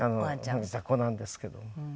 保護した子なんですけども。